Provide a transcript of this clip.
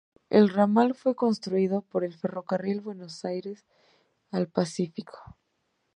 El ramal fue construido por el Ferrocarril Buenos Aires al Pacífico.